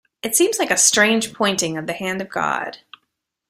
It seems like a strange pointing of the hand of God.